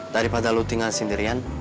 daripada lo tinggal sendirian